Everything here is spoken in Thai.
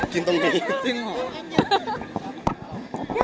กินตรงนี้จริงเหรอ